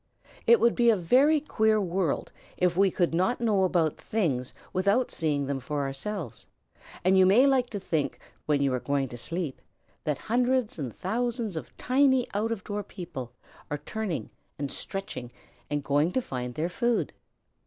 It would be a very queer world if we could not know about things without seeing them for ourselves, and you may like to think, when you are going to sleep, that hundreds and thousands of tiny out of door people are turning, and stretching, and going to find their food.